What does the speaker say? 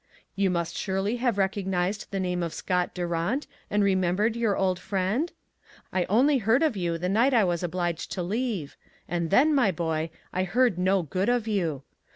You must surely have recognized the name of Scott Durant, and remembered your old friend ? I only heard of you the night I was obliged to leave, and then, my boy, I heard no good of you.